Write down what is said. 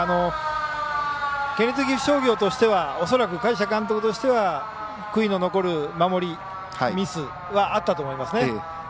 県立岐阜商業としては恐らく、鍛治舍監督としては悔いの残る守り、ミスはあったと思いますね。